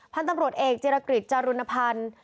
พันธุ์ตำรวจเอกจิรกฤษจารุณภัณฑ์